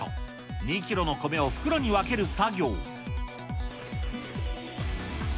２キロの米を袋に分ける作業。